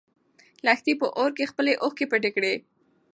لښتې په اور کې خپلې اوښکې پټې کړې.